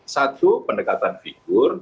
satu pendekatan figur